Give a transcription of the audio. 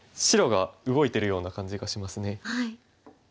白が動いてるような感じがしますね。